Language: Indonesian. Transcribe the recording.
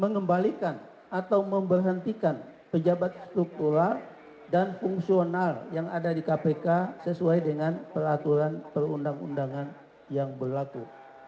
mengembalikan atau memberhentikan pejabat struktural dan fungsional yang ada di kpk sesuai dengan peraturan perundang undangan yang berlaku